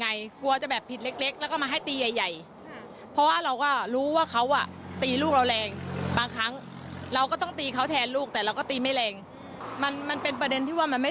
ไหว้แบบว่าต่ำขนาดนี้